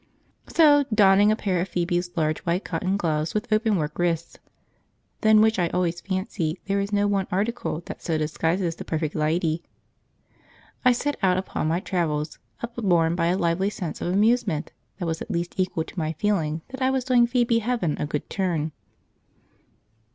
jpg} So, donning a pair of Phoebe's large white cotton gloves with open work wrists (than which I always fancy there is no one article that so disguises the perfect lydy), I set out upon my travels, upborne by a lively sense of amusement that was at least equal to my feeling that I was doing Phoebe Heaven a good turn.